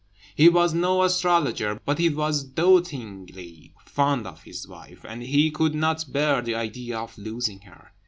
He was no astrologer, but he was dotingly fond of his wife, and he could not bear the idea of losing her.